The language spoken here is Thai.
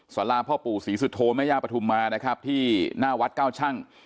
สาราพ่อปู่ศรีสุโธแม่ย่าปฐุมมานะครับที่หน้าวัดเก้าชั่ง